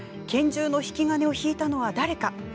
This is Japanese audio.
拳銃の引き金を引いたのは誰か？